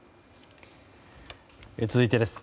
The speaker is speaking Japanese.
続いてです。